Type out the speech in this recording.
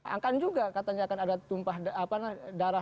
akan juga katanya akan ada tumpah darah